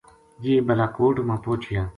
یہ بالاکوٹ ما پوہچیا